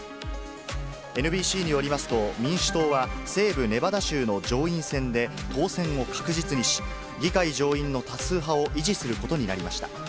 ＮＢＣによりますと、民主党は西部ネバダ州の上院選で当選を確実にし、議会上院の多数派を維持することになりました。